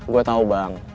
gue tau bang